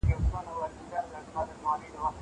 زه سبزېجات نه وچوم!!